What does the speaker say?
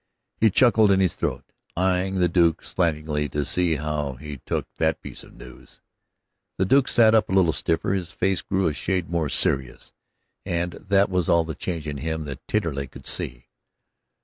He chuckled in his throat, eying the Duke slantingly to see how he took that piece of news. The Duke sat up a little stiffer, his face grew a shade more serious, and that was all the change in him that Taterleg could see.